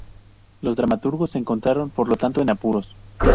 Los dramaturgos se encontraron, por lo tanto, en apuros.